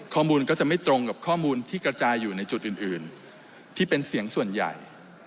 ข้อมูลก็จะไม่ตรงกับข้อมูลที่กระจายอยู่ในจุดอื่นที่เป็นเสียงส่วนใหญ่